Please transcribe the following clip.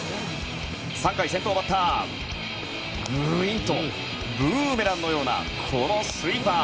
３回、先頭バッターにはぐいんと、ブーメランのようなスイーパー。